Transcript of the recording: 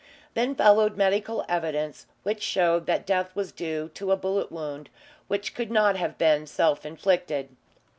Then followed medical evidence, which showed that death was due to a bullet wound and could not have been self inflicted.